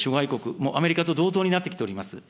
もうアメリカと同等となってきております。